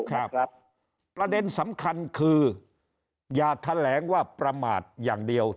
ครับประเด็นสำคัญคืออย่าแถลงว่าประมาทอย่างเดียว